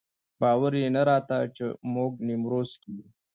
باور یې نه راته چې موږ نیمروز کې یو.